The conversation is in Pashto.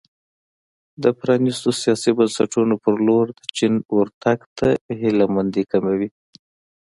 د پرانیستو سیاسي بنسټونو په لور د چین ورتګ ته هیله مندي کموي.